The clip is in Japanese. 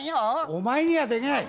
お前にはできない！